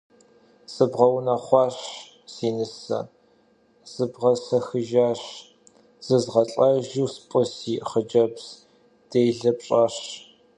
Sıbğeunexhuaş, si nıse, sıbğesexıjjaş, zızğelh'ejju sp'ı si xhıcebzır dêle pş'aş.